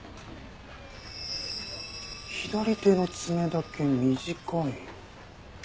左手の爪だけ短い。